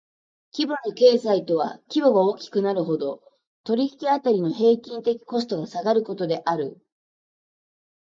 規模の経済とは規模が大きくなるほど、取引辺りの平均的コストが下がることである。